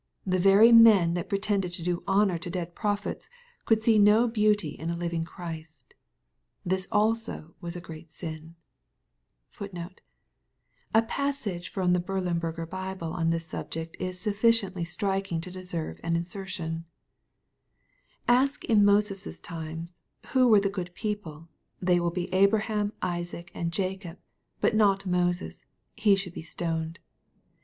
TThe very men that pretended to honor dead prophets, could see no beauty in a living Christ. VPhis also was a great sin.^ Such is the melancholy picture which our Lord giveb * A pEiSsage from the Berlenberger Bible on this subject is suffi ciently striking to deserve insertion. " Ask in Moses's times, who were the good people, they will be Abraham, Isaac, and Jacob, but not Moses — ^he should be stoned.